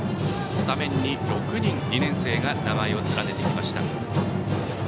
スタメンに６人、２年生が名前を連ねてきました。